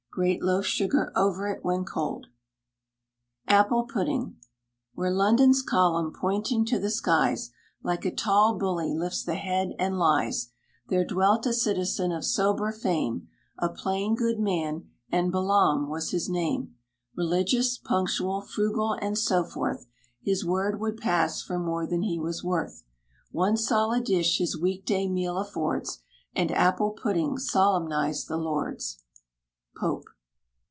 Grate loaf sugar over it when cold. APPLE PUDDING. Where London's column, pointing to the skies, Like a tall bully, lifts the head and lies, There dwelt a citizen of sober fame, A plain, good man, and Balaam was his name; Religious, punctual, frugal, and so forth, His word would pass for more than he was worth; One solid dish his week day meal affords, And apple pudding solemnized the Lord's. POPE.